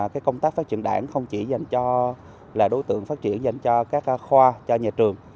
công tác phát triển đảng không chỉ dành cho là đối tượng phát triển dành cho các khoa cho nhà trường